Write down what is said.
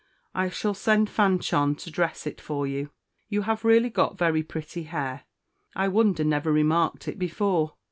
I shall send Fanchon to dress it for you. You have really got very pretty hair; I wonder never remarked it before.